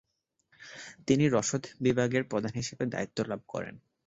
তিনি রসদ বিভাগের প্রধান হিসেবে দায়িত্বলাভ করেন।